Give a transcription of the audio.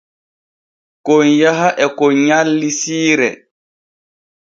Kon yaha e kon nyalli siire.